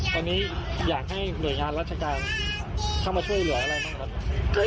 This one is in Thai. ตอนนี้อยากให้หน่วยงานราชการเข้ามาช่วยเหลืออะไรบ้างครับ